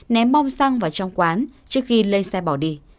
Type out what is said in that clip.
ném bom xăng vào trong quán trước khi lên xe bỏ đi